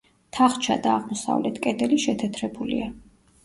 თახჩა და აღმოსავლეთ კედელი შეთეთრებულია.